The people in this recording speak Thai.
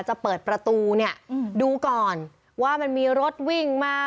จะเปิดประตูเนี่ยดูก่อนว่ามันมีรถวิ่งมา